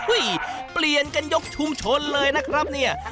เปลี่ยนกันยกชุมชนเลยนะครับเนี่ย